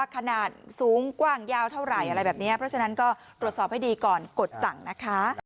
ขนาดสูงกว้างยาวเท่าไหร่อะไรแบบนี้เพราะฉะนั้นก็ตรวจสอบให้ดีก่อนกดสั่งนะคะ